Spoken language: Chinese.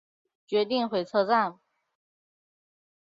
决定回车站